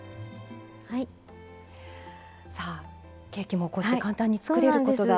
さあケーキもこうして簡単につくれることが。